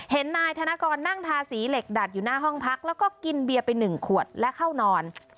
นายธนกรนั่งทาสีเหล็กดัดอยู่หน้าห้องพักแล้วก็กินเบียร์ไป๑ขวดและเข้านอน